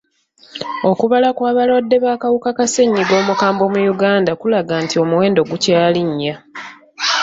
Okubala kw'abalwadde b'akawuka ka sennyiga omukambwe mu Uganda kulaga nti omuwendo gukyalinnya.